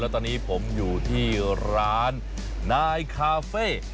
ตอนนี้ผมอยู่ที่ร้านนายคาเฟ่